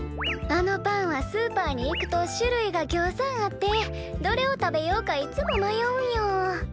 あのパンはスーパーに行くと種類がぎょうさんあってどれを食べようかいつも迷うんよ。